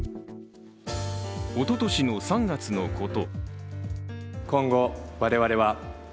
おととしの３月のこと。